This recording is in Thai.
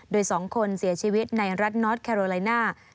โดย๒คนเสียชีวิตในรัฐนอสแคโรไลน่า